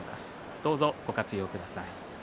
どうぞご活用ください。